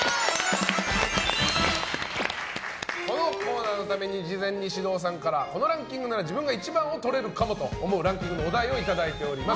このコーナーのために事前に獅童さんからこのランキングなら自分が１番をとれるかもと思うランキングのお題をいただいております。